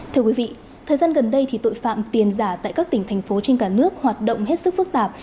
thưa quý vị thời gian gần đây thì tội phạm tiền giả tại các tỉnh thành phố trên cả nước hoạt động hết sức phức tạp